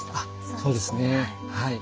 そうですねはい。